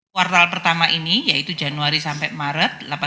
kuartal pertama ini yaitu januari sampai maret